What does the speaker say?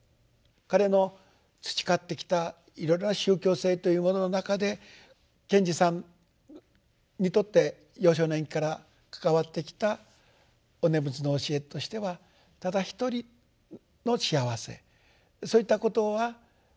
彼の培ってきたいろいろな宗教性というものの中で賢治さんにとって幼少年期から関わってきたお念仏の教えとしてはただ一人の幸せそういったことは存在しない。